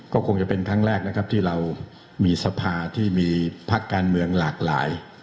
ก็คงจะเป็นครั้งแรกนะครับที่เรามีสภาที่มีพักการเมืองหลากหลาย